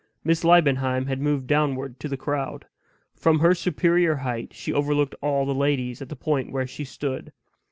Miss Liebenheim had moved downward to the crowd. From her superior height she overlooked all the ladies at the point where she stood.